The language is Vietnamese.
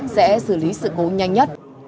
sẽ xử lý sự cố nhanh nhất